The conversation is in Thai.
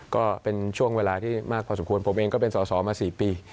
ก็เป็นช่วงเวลาที่มากพอสมควรผมเองก็เป็นสอสอมา๔ปี